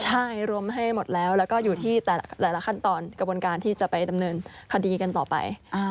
ใช่รวมให้หมดแล้วแล้วก็อยู่ที่แต่ละขั้นตอนกระบวนการที่จะไปดำเนินคดีกันต่อไป